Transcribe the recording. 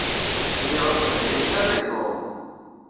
Nniɣ-awen d ayenni ara yeḍṛun.